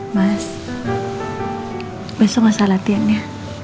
mas besok masa latihannya